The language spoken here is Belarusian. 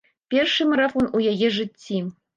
Першы марафон у яе жыцці.